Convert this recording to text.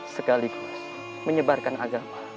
sekaligus menyebarkan agama